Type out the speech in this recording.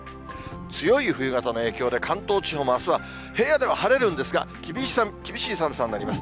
強い冬型の影響で、関東地方もあすは平野では晴れるんですが、厳しい寒さになります。